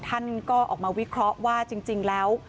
ท่านก็ออกมาวิเคราะห์ว่าจริงแล้ว